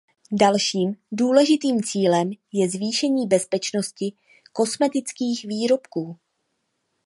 Dalším důležitým cílem je zvýšení bezpečnosti kosmetických výrobků.